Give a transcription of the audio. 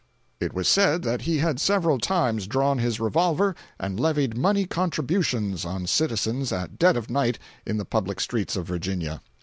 It was said that he had several times drawn his revolver and levied money contributions on citizens at dead of night in the public streets of Virginia.